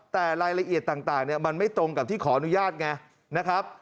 แต่รายละเอียดต่างมันไม่ตรงกับที่ขออนุญาตไงนะครับ